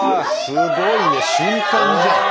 すごいね瞬間じゃん！